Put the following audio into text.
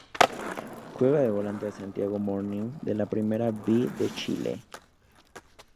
Juega de Volante en Santiago Morning de la Primera B de Chile.